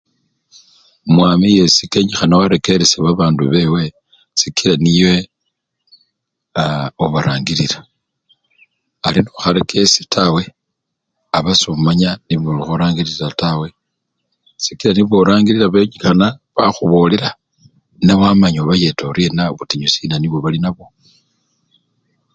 umwami yesi kenyikhana warekeresha babandu bewe sikila niye aaa obarangilila ari noharekeshe tawe, aba somanya nibo orangirira tawe, sikila nibo orangilila benyikhana bakhubolera newamanya ubayeta oryena, butinyu siina nibwo bali ninabwo